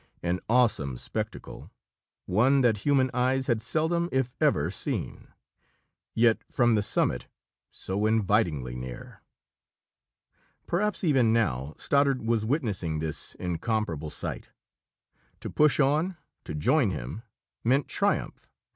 An awesome spectacle! one that human eyes had seldom if ever seen. Yet from the summit, so invitingly near!... Perhaps, even now, Stoddard was witnessing this incomparable sight. To push on, to join him, meant triumph.